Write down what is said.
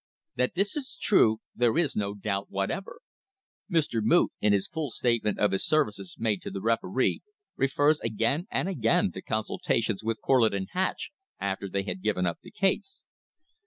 That this is true there is no doubt whatever. Mr. Moot in his full statement of his services made to the referee refers again and again to consultations with Corlett and Hatch after they had given up the case.